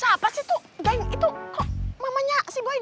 siapa sih tuh gang itu mamanya si boy digituin mel